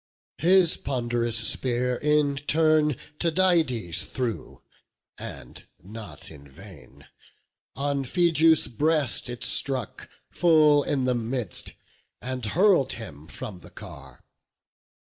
His pond'rous spear in turn Tydides threw, And not in vain; on Phegeus' breast it struck, Full in the midst, and hurl'd him from the car.